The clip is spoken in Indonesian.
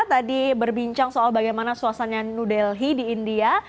tadi berbincang soal bagaimana suasana new delhi di india